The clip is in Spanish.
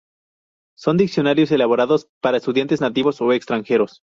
Son diccionarios elaborados para estudiantes nativos o extranjeros.